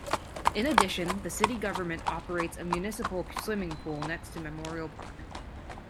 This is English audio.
In addition, the city government operates a municipal swimming pool next to Memorial Park.